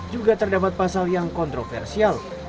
juga terdapat pasal yang kontroversial